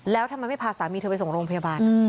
แล้วทำไมไม่พาสามีเธอไปส่งโรงพยาบาล